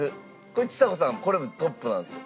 ちさ子さんこれもトップなんですよ。